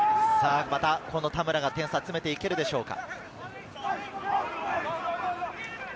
田村が点差を詰めていけるでしょうか。